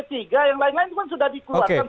yang lain lain itu sudah dikeluarkan